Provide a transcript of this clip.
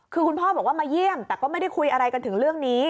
คือคุณพ่อบอกว่ามาเยี่ยมแต่ก็ไม่ได้คุยอะไรกันถึงเรื่องนี้